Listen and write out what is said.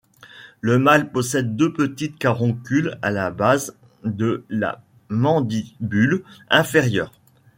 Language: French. Le mâle possède deux petites caroncules à la base de la mandibule inférieure.